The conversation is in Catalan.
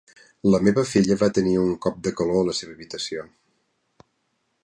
La meva filla va tenir un cop de calor a la seva habitació.